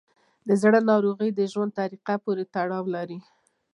د زړه ناروغۍ د ژوند طریقه پورې تړاو لري.